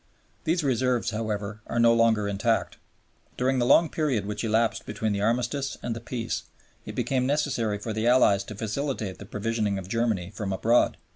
These reserves, however, are no longer intact. During the long period which elapsed between the Armistice and the Peace it became necessary for the Allies to facilitate the provisioning of Germany from abroad.